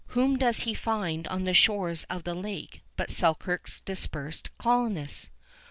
Whom does he find on the shores of the lake but Selkirk's dispersed colonists!